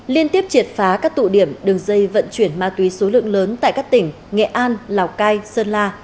liên tiếp triệt phá các tụ điểm đường dây vận chuyển ma túy số lượng lớn tại các tỉnh nghệ an lào cai sơn la